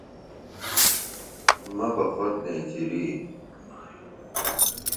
مہ بہ خوۡت نیچِری